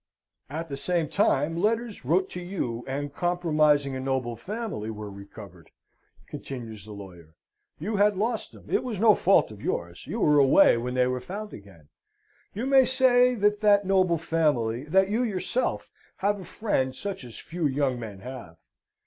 "At the same time letters, wrote to you, and compromising a noble family, were recovered," continues the lawyer. "You had lost 'em. It was no fault of yours. You were away when they were found again. You may say that that noble family, that you yourself, have a friend such as few young men have.